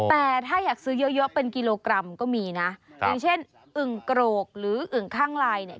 แต่ถ้าอยากซื้อเยอะเป็นกิโลกรัมก็มีนะอย่างเช่นอึ่งโกรกหรืออึ่งข้างลายเนี่ย